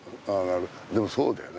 でもそうだよね。